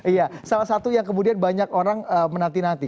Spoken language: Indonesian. iya salah satu yang kemudian banyak orang menanti nanti